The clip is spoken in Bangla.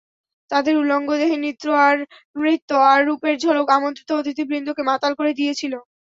তাদের উলঙ্গদেহের নৃত্য আর রূপের ঝলক আমন্ত্রিত অতিথিবৃন্দকে মাতাল করে দিয়েছিল।